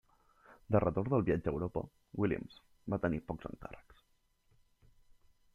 De retorn del viatge a Europa, Williams va tenir pocs encàrrecs.